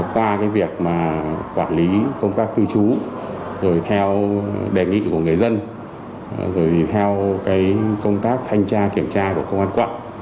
qua việc quản lý công tác cư trú rồi theo đề nghị của người dân rồi theo công tác thanh tra kiểm tra của công an quận